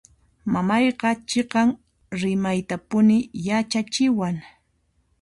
Mamayqa chiqan rimaytapuni yachachiwan.